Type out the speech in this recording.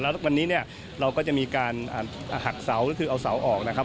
แล้วตอนนี้เราก็จะมีการหักเสาร์คือเอาเสาร์ออกนะครับ